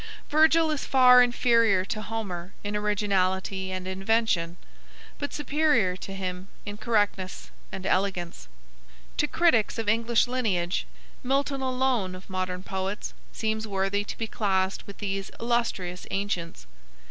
Virgil is far inferior to Homer in originality and invention, but superior to him in correctness and elegance. To critics of English lineage Milton alone of modern poets seems worthy to be classed with these illustrious ancients.